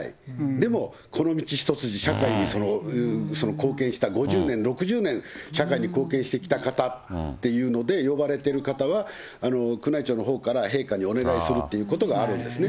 でもこの道一筋、社会に貢献した、５０年、６０年社会に貢献してきた方っていうので、呼ばれてる方は、宮内庁のほうから陛下にお願いするということがあるんですね。